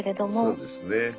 そうですね。